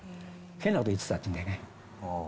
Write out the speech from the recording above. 変なこと言ってたっていうんだよね。